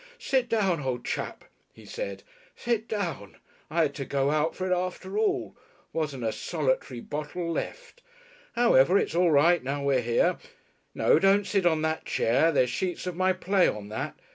"Sit down, old chap," he said, "sit down. I had to go out for it after all. Wasn't a solitary bottle left. However, it's all right now we're here. No, don't sit on that chair, there's sheets of my play on that.